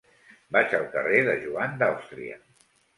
Vaig al carrer de Joan d'Àustria.